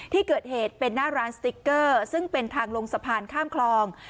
ที่เกิดเหตุเป็นหน้าร้านสติ๊กเกอร์ซึ่งเป็นทางลงสะพานข้ามคลอง